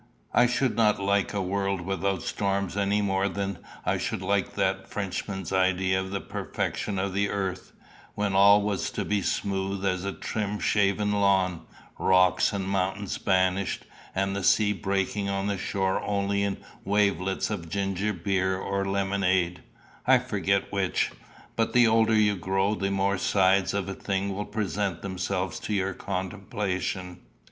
I should not like a world without storms any more than I should like that Frenchman's idea of the perfection of the earth, when all was to be smooth as a trim shaven lawn, rocks and mountains banished, and the sea breaking on the shore only in wavelets of ginger beer or lemonade, I forget which. But the older you grow, the more sides of a thing will present themselves to your contemplation.